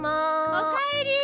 おかえり！